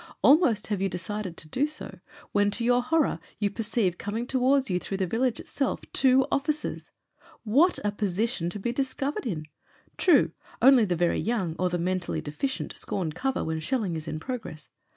Almost have you de cided to do so when to your horror you perceive com ing towards you through the village itself two officers. What a position to be discovered in ! True, only the very young or the mentally deficient scorn cover when shelling is in progress.